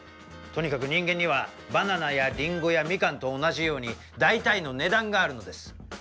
とにかく人間にはバナナやリンゴやミカンと同じように大体の値段があるのです。